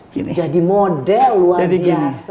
jadi model luar biasa